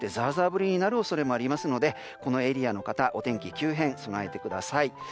降りになる恐れもありますのでこのエリアの方はお天気の急変に備えてください。